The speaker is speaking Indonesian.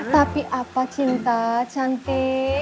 tapi apa cinta cantik